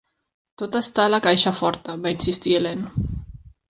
"Tot està a la caixa forta", va insistir Helene.